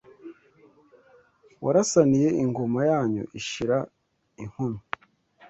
Warasaniye ingoma yanyu ishira inkomyi